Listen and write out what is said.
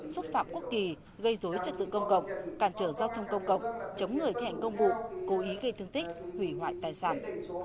xúc phạm quốc kỳ gây dối trật tự công cộng cản trở giao thông công cộng chống người thi hành công vụ cố ý gây thương tích hủy hoại tài sản